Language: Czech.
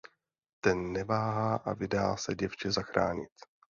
Ten neváhá a vydá se děvče zachránit.